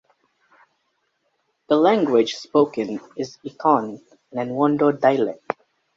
The language spoken is Eton, an Ewondo dialect.